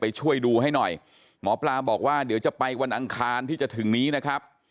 ช่วยดูให้หน่อยหมอปลาบอกว่าเดี๋ยวจะไปวันอังคารที่จะถึงนี้นะครับ